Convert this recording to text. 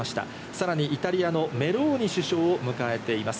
さらにイタリアのメローニ首相を迎えています。